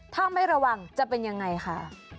ถ้าไม่ระวังจะเป็นยังไงค่ะ